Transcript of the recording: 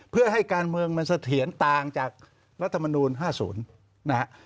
เพื่อให้การเมืองมันเสถียรต่างจากรัฐมนูล๕๐นะฮะ